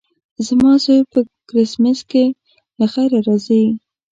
زما زوی په کرېسمس کې له خیره راځي.